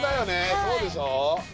そうでしょ？